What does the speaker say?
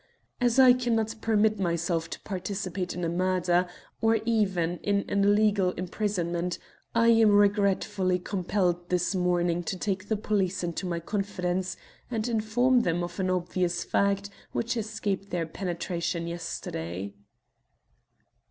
As I cannot permit myself to participate in a murder or even in an illegal imprisonment, I am regretfully compelled this morning to take the police into my confidence and inform them of an obvious fact which escaped their penetration yesterday."